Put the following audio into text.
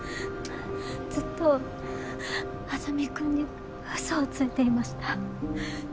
ずっと莇君にうそをついていました。